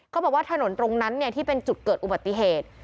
เขาบอกว่าถนนตรงนั้นที่เป็นจุดเกิดอุบัติเหตุ